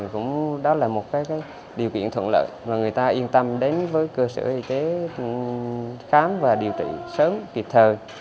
cũng đó là một điều kiện thuận lợi và người ta yên tâm đến với cơ sở y tế khám và điều trị sớm kịp thời